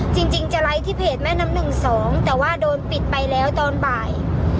จริงจะไลค์ที่เพจแม่น้ำหนึ่งสองแต่ว่าโดนปิดไปแล้วตอนบ่าย